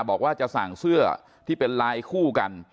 บอกว่าจะสั่งเสื้อที่เป็นลายคู่กัน